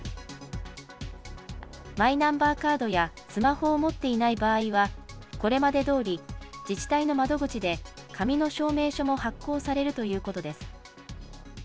マイナンバーカードやスマホを持っていない場合は、これまでどおり、自治体の窓口で紙の証明書も発行されるということです。